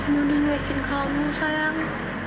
menunjukin kamu sayang